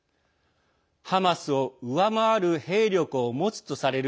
ハマスを上回る兵力を持つとされる